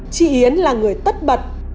chị yến là người tất bật